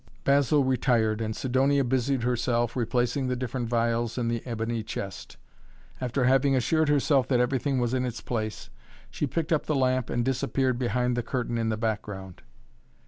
Basil retired and Sidonia busied herself, replacing the different phials in the ebony chest. After having assured herself that everything was in its place, she picked up the lamp and disappeared behind the curtain in the background.